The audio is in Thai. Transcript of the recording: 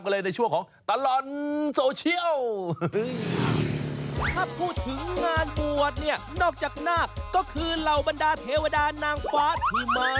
เด็ดอย่างนั้นเลย